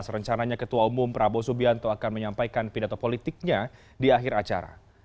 rencananya ketua umum prabowo subianto akan menyampaikan pidato politiknya di akhir acara